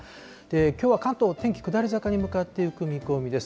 きょうは関東、天気、下り坂に向かっていく見込みです。